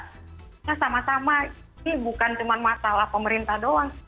kita sama sama ini bukan cuma masalah pemerintah doang